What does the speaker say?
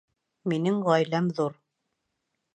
Минең ғаиләм ҙур